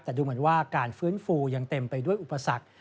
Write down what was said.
แต่ดูเหมือนว่าการฟื้นฟูยังเต็มไปด้วยอุปสรรค